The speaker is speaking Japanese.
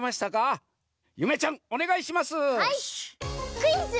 「クイズ！